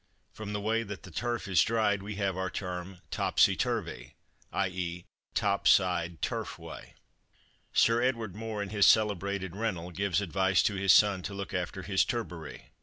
(From the way that the turf is dried we have our term topsy turvy, i.e., top side turf way). Sir Edward More, in his celebrated rental, gives advice to his son to look after "his turbary."